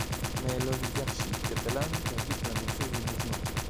Mais l'oligarchie catalane perd vite la maîtrise du mouvement.